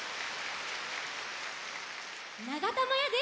ながたまやです！